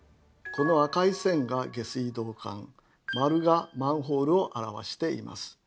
この赤い線が下水道管丸がマンホールを表しています。